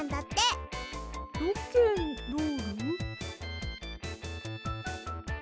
ロケンロール？